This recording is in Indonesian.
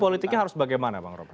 politiknya harus bagaimana bang rob